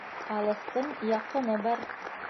Алыҫтың яҡыны бар.